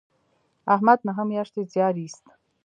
احمد نهه میاشتې زیار ایست.